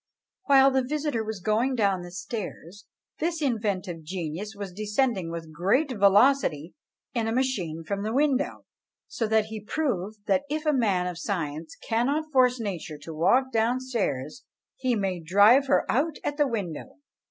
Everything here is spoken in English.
While the visitor was going down stairs, this inventive genius was descending with great velocity in a machine from the window: so that he proved, that if a man of science cannot force nature to walk down stairs, he may drive her out at the window!